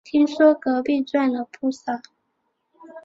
听说隔壁赚了不少